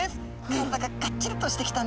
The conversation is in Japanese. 体ががっちりとしてきたんですね。